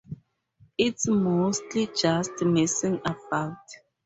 It's mostly just messing about..!